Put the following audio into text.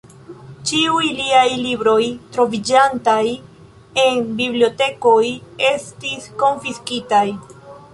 Ĉiuj liaj libroj troviĝantaj en bibliotekoj estis konfiskitaj.